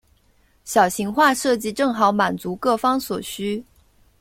小型化设计正好满足各方所需。